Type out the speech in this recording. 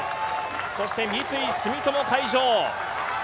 そして三井住友海上。